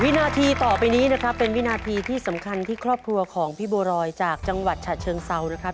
วินาทีต่อไปนี้นะครับเป็นวินาทีที่สำคัญที่ครอบครัวของพี่บัวรอยจากจังหวัดฉะเชิงเซานะครับ